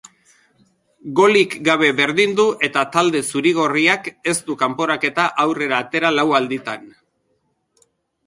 Golik gabe berdindu eta talde zuri-gorriak ez du kanporaketa aurrera atera lau alditan.